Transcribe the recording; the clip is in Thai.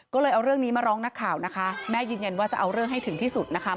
ก็เลยเอาเรื่องนี้มาร้องนักข่าวนะคะแม่ยืนยันว่าจะเอาเรื่องให้ถึงที่สุดนะคะ